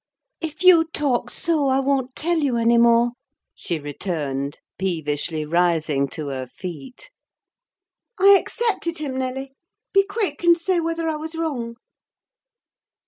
"If you talk so, I won't tell you any more," she returned, peevishly rising to her feet. "I accepted him, Nelly. Be quick, and say whether I was wrong!"